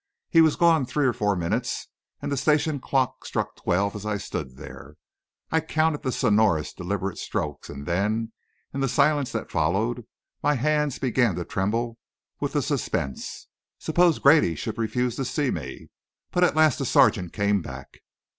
He was gone three or four minutes, and the station clock struck twelve as I stood there. I counted the sonorous, deliberate strokes, and then, in the silence that followed, my hands began to tremble with the suspense. Suppose Grady should refuse to see me? But at last the sergeant came back.